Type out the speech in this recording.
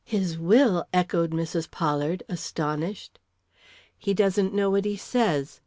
"His will!" echoed Mrs. Pollard, astonished. "He don't know what he says.